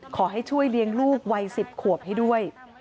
ขอให้ช่วยเลี้ยงลูกวัย๑๐ขวบให้ด้วย